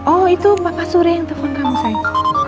oh itu bapak surya yang telepon kamu sayang